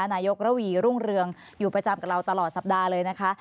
นายกระวีรุ่งเรืองอยู่ประจำกับเราตลอดสัปดาห์เลยนะคะ